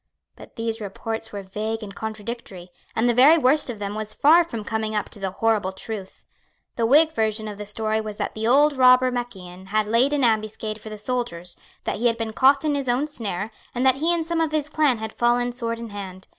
But these reports were vague and contradictory; and the very worst of them was far from coming up to the horrible truth. The Whig version of the story was that the old robber Mac Ian had laid an ambuscade for the soldiers, that he had been caught in his own snare, and that he and some of his clan had fallen sword in hand.